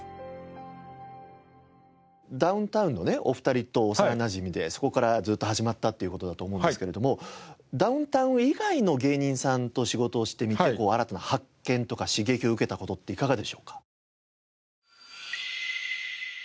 ダウンタウンのねお二人と幼なじみでそこからずっと始まったという事だと思うんですけれどもダウンタウン以外の芸人さんと仕事をしてみて新たな発見とか刺激を受けた事っていかがでしょうか？